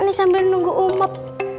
nih sambil nunggu umep